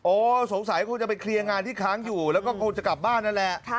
สงสัยคงจะไปเคลียร์งานที่ค้างอยู่แล้วก็คงจะกลับบ้านนั่นแหละ